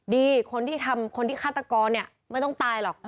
ดีคนที่ทำคนที่ฆาตกรเนี่ยไม่ต้องตายหรอก